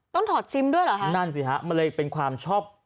ถอดซิมด้วยเหรอฮะนั่นสิฮะมันเลยเป็นความชอบ